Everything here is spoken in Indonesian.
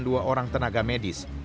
dua orang tenaga medis